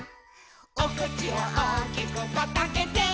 「おくちをおおきくパッとあけて」